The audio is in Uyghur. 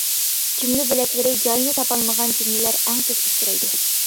جۈملە بۆلەكلىرى جايىنى تاپالمىغان جۈملىلەر ئەڭ كۆپ ئۇچرايدۇ.